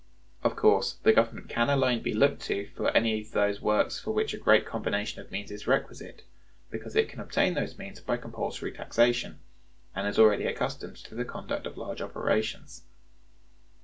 [Of course] the Government can alone be looked to for any of those works for which a great combination of means is requisite, because it can obtain those means by compulsory taxation, and is already accustomed to the conduct of large operations.